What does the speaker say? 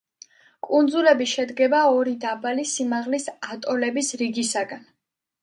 კუნძულები შედგება ორი დაბალი სიმაღლის ატოლების რიგისაგან.